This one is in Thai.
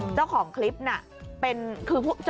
จ้าของคลิปเต็ม